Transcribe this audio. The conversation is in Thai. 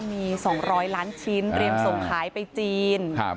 มี๒๐๐ล้านชิ้นเตรียมส่งขายไปจีน